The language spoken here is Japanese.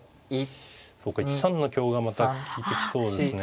そうか１三の香がまた利いてきそうですね。